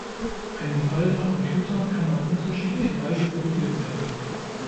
Ein befallener Computer kann auf unterschiedliche Weise blockiert werden.